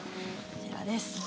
こちらです。